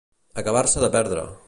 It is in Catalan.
Acabar-se de perdre.